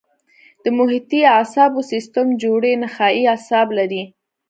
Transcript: د محیطي اعصابو سیستم جوړې نخاعي اعصاب لري.